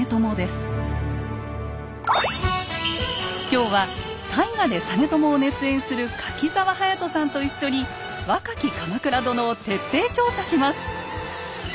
今日は大河で実朝を熱演する柿澤勇人さんと一緒に若き鎌倉殿を徹底調査します！